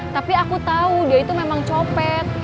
tapi aku tahu dia itu memang copet